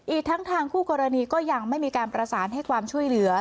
อีกทั้งทางคู่กรณีก็ยังไม่มีการประสานให้ความช่วยเหลือ